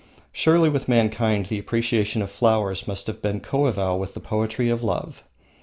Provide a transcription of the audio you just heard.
Surely with mankind the appreciation of flowers must have been coeval with the poetry of love.